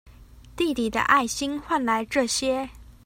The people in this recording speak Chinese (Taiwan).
弟弟的愛心換來這些